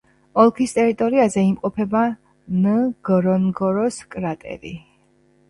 ოლქის ტერიტორიაზე იმყოფება ნგორონგოროს კრატერი.